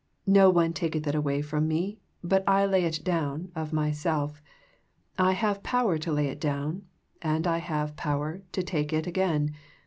No one taketh it away from Me, but I lay it down of 3Tyself. I have power to lay it down, and I have power to take it again.